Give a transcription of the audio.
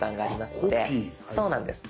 そうなんです。